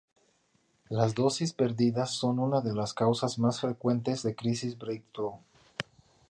Las dosis perdidas son una de las causas más frecuentes de crisis breakthrough.